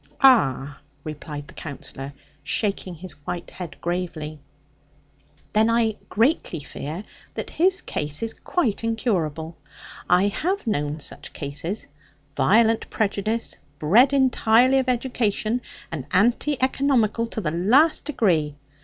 'Ah,' replied the Counsellor, shaking his white head gravely; 'then I greatly fear that his case is quite incurable. I have known such cases; violent prejudice, bred entirely of education, and anti economical to the last degree.